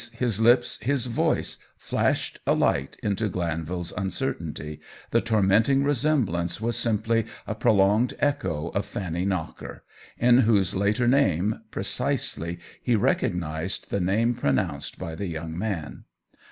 Kis lips. !iis voice dashed a light into Glanvil's uncertain tr — the tonnendng resemblance was simply a prolonged echo of Fanny Knocker, in whose later name, precisely, he recognized the name pro nounced by the young man.